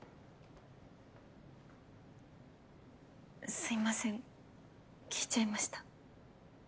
すいません聞いちゃいました。